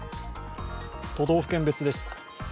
都道府県別です。